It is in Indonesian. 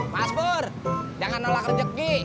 mas pur jangan nolak rezeki